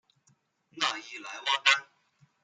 讷伊莱旺丹。